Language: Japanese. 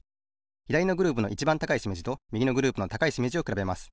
ひだりのグループのいちばん高いしめじとみぎのグループの高いしめじをくらべます。